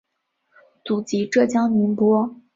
祖籍浙江宁波。